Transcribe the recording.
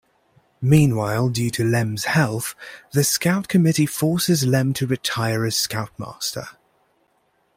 Meanwhile, due to Lem's health, the Scout committee forces Lem to retire as Scoutmaster.